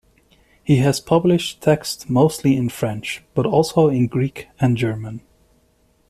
He has published texts mostly in French, but also in Greek and German.